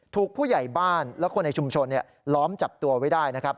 ถูกผู้ใหญ่บ้านและคนในชุมชนล้อมจับตัวไว้ได้